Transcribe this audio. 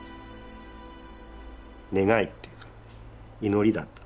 願いっていうか祈りだった。